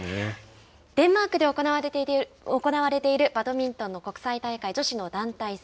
デンマークで行われているバドミントンの国際大会女子の団体戦。